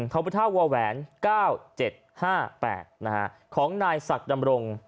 ธรรมพุทธาวัวแหวนเก้าเจ็ดห้าแปดนะฮะของนายสัตว์ดำรง